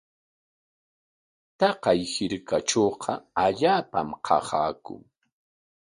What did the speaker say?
Taqay hirkatrawqa allaapam qasaakun.